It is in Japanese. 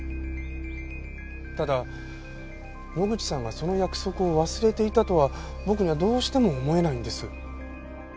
ただ野口さんがその約束を忘れていたとは僕にはどうしても思えないんです。